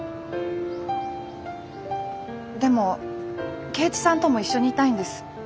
でも圭一さんとも一緒にいたいんです。